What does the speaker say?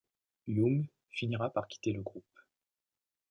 Young finira par quitter le groupe.